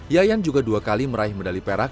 yayan juga dua kali meraih medali perak